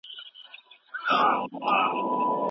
آیا د کلي کلا زموږ له کور سره نږدې ده؟